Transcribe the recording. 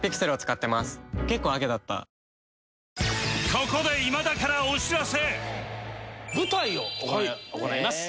ここで舞台を行います。